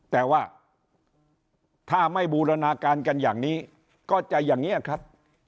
แต่ว่าถ้าไม่บูรณาการกันอย่างนี้ก็จะอย่างนี้ครับ